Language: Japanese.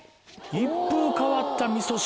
一風変わったみそ汁？